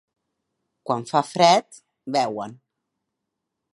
Quan fa fred, beuen.